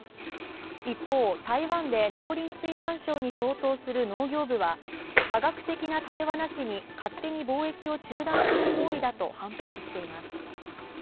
一方、台湾で農林水産省に相当する農業部は科学的な対話なしに勝手に貿易を中断する行為だと反発しています。